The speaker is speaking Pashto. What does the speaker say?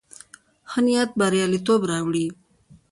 ښه نيت برياليتوب راوړي.